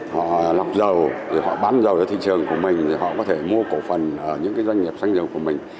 họ lọc dầu họ bán dầu ở thị trường của mình họ có thể mua cổ phần ở những doanh nghiệp xăng dầu của mình